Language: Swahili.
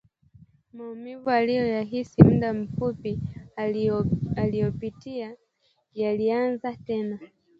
Maumivu aliyoyahisi muda mfupi uliopita yalianza tena